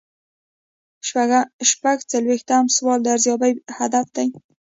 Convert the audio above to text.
شپږ څلویښتم سوال د ارزیابۍ هدف دی.